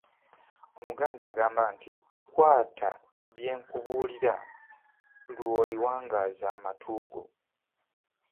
Omuganda agamba nti, "kwata byenkubuulira lw'oliwangaaza amatu go"